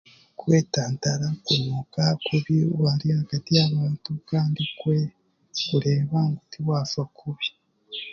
Kwetantara kunuunka kubi aha gaati y'abantu kandi kureba ngu tiwaashusha kubi.